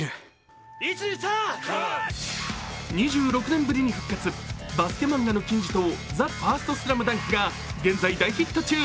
２６年ぶりに復活、バスケ漫画の金字塔、「ＴＨＡＦＩＲＳＴＳＬＡＭＤＵＮＫ」が現在、大ヒット中。